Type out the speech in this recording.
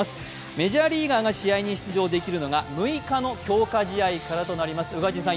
メジャーリーガーが試合に出場できるのが６日の強化試合からとなります。